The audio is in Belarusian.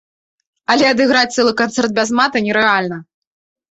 Але адыграць цэлы канцэрт без мата нерэальна.